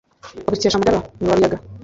bagukesha amagara ni wa ruyaga,